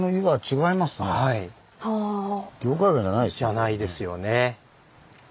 じゃないですよね。